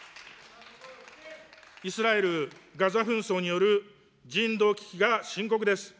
イスラエル・ガザ紛争による人道危機が深刻です。